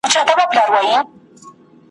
نه به ستا په خیال کي د سپوږمۍ تر کوره تللی وي ,